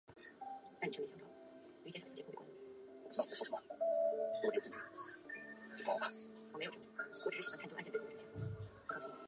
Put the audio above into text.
找到散发出的香甜水果味！